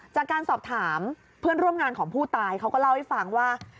จากการสอบถามเพื่อนร่วมงานของผู้ตายเขาก็เล่าให้ฟังว่า